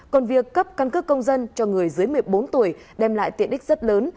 còn việc cấp căn cước công dân cho người dưới một mươi bốn tuổi đem lại tiện ích rất lớn